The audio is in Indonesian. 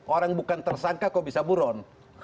orang bukan tersangka kok bisa buron